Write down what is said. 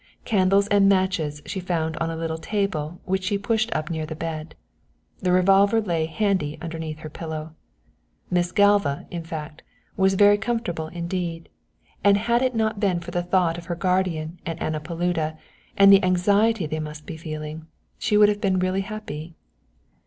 Candles and matches she found on a little table which she pushed up near the bed. The revolver lay handy underneath her pillow. Miss Galva, in fact, was very comfortable indeed, and had it not been for the thought of her guardian and Anna Paluda and the anxiety they must be feeling, she would have been really happy.